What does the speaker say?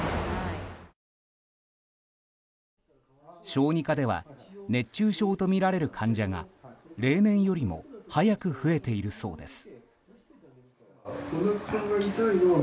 小児科では熱中症とみられる患者が例年よりも早く増えているそうです。